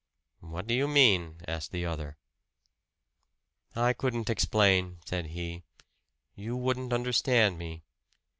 "What do you mean?" asked the other. "I couldn't explain," said he. "You wouldn't understand me.